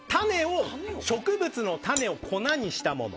植物の種を粉にしたもの。